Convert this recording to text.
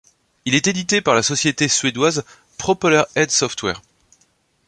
Il est édité par la société suédoise Propellerhead Software.